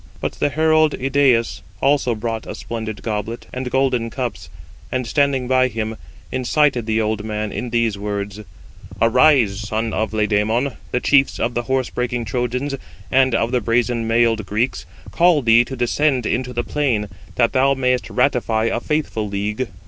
But the herald Idæus also brought a splendid goblet, and golden cups; and standing by him, incited the old man in these words: "Arise, son of Laomedon; the chiefs of the horse breaking Trojans, and of the brazen mailed Greeks, call thee to descend into the plain, that thou mayest ratify a faithful league.